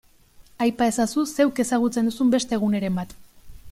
Aipa ezazu zeuk ezagutzen duzun beste guneren bat.